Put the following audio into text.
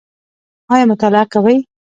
ایا مطالعه کوئ؟